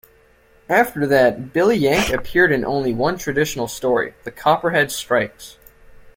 After that, Billy Yank appeared in only one additional story, The Copperhead Strikes.